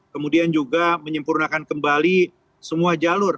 kemudian juga menyempurnakan kembali semua jalur